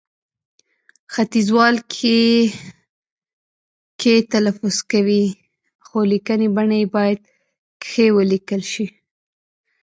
ختیځوال کښې، کې تلفظ کوي، خو لیکنې بڼه يې باید کښې ولیکل شي